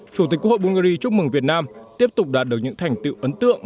chủ tịch quốc hội bungary chúc mừng việt nam tiếp tục đạt được những thành tựu ấn tượng